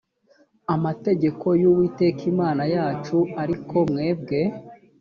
amategeko y uwiteka imana yacu ariko mwebwe